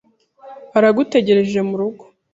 Aragutegereje murugo.